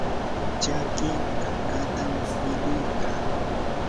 charki kankatam mikuy kaa.